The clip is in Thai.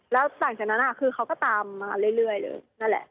แล้วต่างจากนั้นคือเขาก็ตามมาเรื่อยเลย